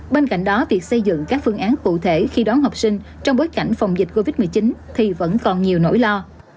bên cạnh đó việc xây dựng các phương án cụ thể khi đón học sinh trong bối cảnh phòng dịch covid một mươi chín thì vẫn còn nhiều nỗi lo